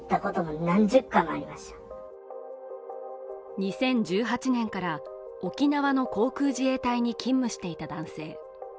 ２０１８年から沖縄の航空自衛隊に勤務していた男性。